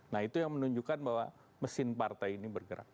nah itu yang menunjukkan bahwa mesin partai ini bergerak